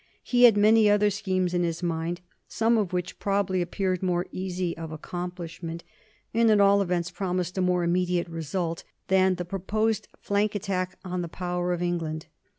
He had many other schemes in his mind, some of which probably appeared more easy of accomplishment, and at all events promised a more immediate result than the proposed flank attack on the power of England.